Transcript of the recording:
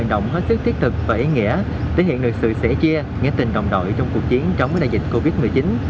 động hết sức thiết thực và ý nghĩa thể hiện được sự sẻ chia nghĩa tình đồng đội trong cuộc chiến chống đại dịch covid một mươi chín